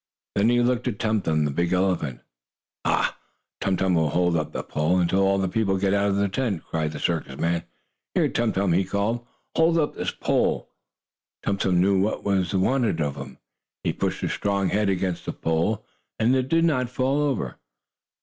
Then he looked at Tum Tum, the big elephant. "Ha! Tum Tum will hold up the pole, until all the people get out of the tent!" cried the circus man. "Here, Tum Tum," he called. "Hold up this pole." Tum Tum knew what was wanted of him. He pushed his strong head against the pole, and it did not fall over.